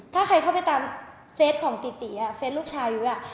ถ้าใครเข้าไปตามเฟสของตีตีอ่ะเฟสลูกชายุ๊อ่ะ